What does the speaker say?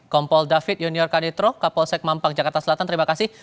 kompol david junior kanitro kapol sek mampang jakarta selatan terima kasih